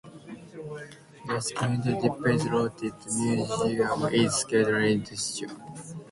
The preserved skeleton is displayed at Rotunda Museum in Scarborough.